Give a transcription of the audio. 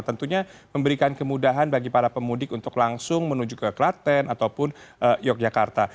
tentunya memberikan kemudahan bagi para pemudik untuk langsung menuju ke klaten ataupun yogyakarta